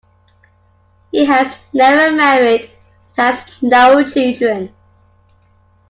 He has never married and has no children.